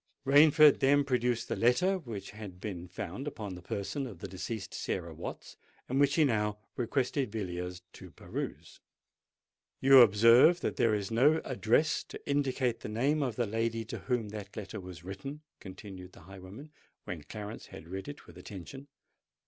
Rainford then produced the letter which had been found about the person of the deceased Sarah Watts, and which he now requested Villiers to peruse. "You observe that there is no address to indicate the name of the lady to whom that letter was written," continued the highwayman, when Clarence had read it with attention.